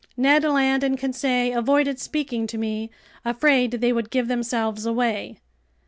Ned Land and Conseil avoided speaking to me, afraid they would give themselves away.